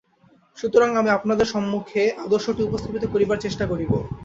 সুতরাং আমি আপনাদের সম্মুখে আদর্শটি উপস্থাপিত করিবার চেষ্টা করিব।